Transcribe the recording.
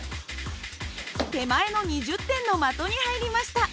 手前の２０点の的に入りました。